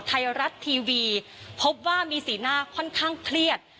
ไทยรัฐทีวีพบว่ามีสีหน้าค่อนข้างเครียด